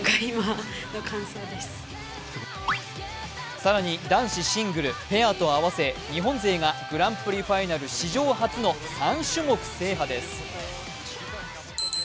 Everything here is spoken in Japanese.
更に、男子シングル、ペアと合わせ、日本勢がグランプリファイナル史上初の３種目制覇です。